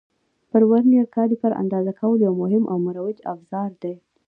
پر ورنیز کالیپر اندازه کول یو مهم او مروج افزار دی.